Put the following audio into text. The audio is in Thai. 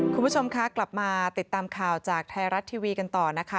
คุณผู้ชมคะกลับมาติดตามข่าวจากไทยรัฐทีวีกันต่อนะคะ